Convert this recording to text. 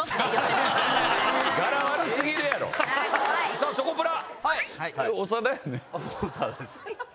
さぁチョコプラ！